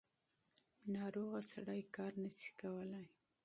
ناروغه سړی کار نشي کولی.